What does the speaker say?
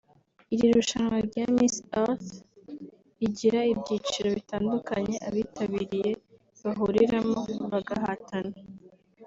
Iri rushanwa rya Miss Earth rigira ibyiciro bitandukanye abitabiriye bahuriramo bagahatana